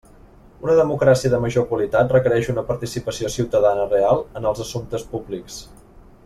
Una democràcia de major qualitat requereix una participació ciutadana real en els assumptes públics.